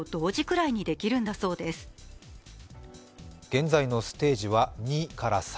現在のステージは２から３。